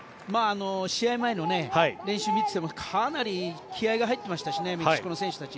試合前の練習を見ていてもかなり気合が入っていましたしメキシコの選手たち。